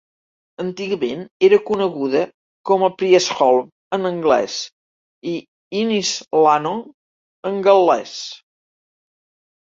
Antigament era coneguda com a Priestholm en anglès i Ynys Lannog en gal·lès.